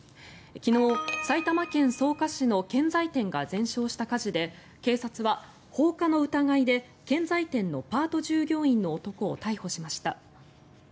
昨日、埼玉県草加市の建材店が全焼した火事で警察は、放火の疑いで建材店のパート従業員の男逮捕しました。